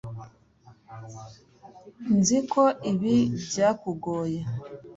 nzi ko ibi byakugoye